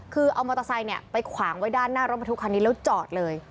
คือเอามอเตอร์ไซค์ไปขวางไว้ด้านหน้ารถบรรทุกคันนี้แล้วจอดเลย